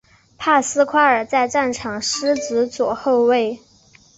帕斯夸尔在场上司职左后卫。